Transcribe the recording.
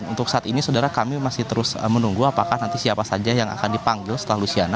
lusiana menunggu apakah nanti siapa saja yang akan dipanggil setelah lusiana